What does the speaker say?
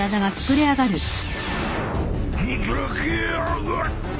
ふざけやがって。